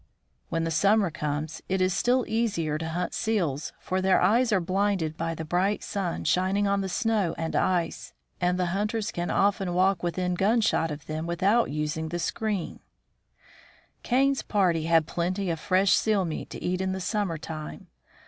When the summer comes it is still easier to hunt seals, for their eyes are blinded by the bright sun shining on the snow and ice, and the hunters can often walk within gun shot of them without using the screen. HUNTING IN THE ICY NORTH 49 Kane's party had plenty of fresh seal meat to eat in the summer time.